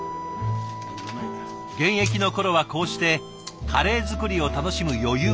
現役の頃はこうしてカレー作りを楽しむ余裕なんてなし。